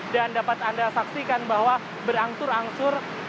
dan dapat anda saksikan bahwa berangkur angsur